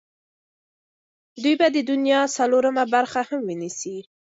دوی به د دنیا څلورمه برخه هم ونیسي.